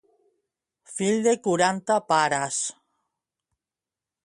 Fill de quaranta pares.